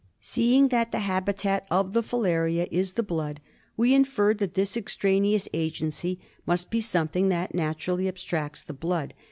Seeing that the habitat of the filaria is the blood, we infer that this extraneous agency must be something that naturally abstracts the blood.